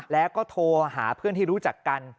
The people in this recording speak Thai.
แล้วก็โทรหาเพื่อนที่รู้จักกัน